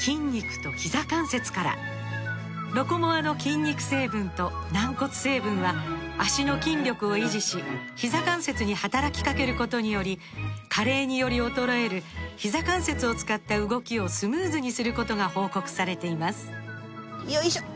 「ロコモア」の筋肉成分と軟骨成分は脚の筋力を維持しひざ関節に働きかけることにより加齢により衰えるひざ関節を使った動きをスムーズにすることが報告されていますよいしょっ！